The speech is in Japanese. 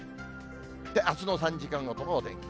あすの３時間ごとのお天気。